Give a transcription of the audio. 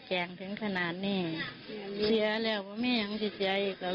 แค้งถึงขนาดนี้เสียแหมอย่างที่เสียอีกแล้ว